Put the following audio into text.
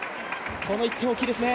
この１点、大きいですね。